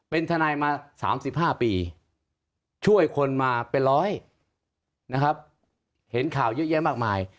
เป็นทนายมา๓๕ปีช่วยคนมาเป็นร้อยนะครับเห็นข่าวเยอะแยะมากมาย